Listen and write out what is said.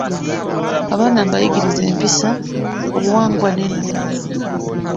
Abaana mubayigirize empisa, obuwangwa n’ennono.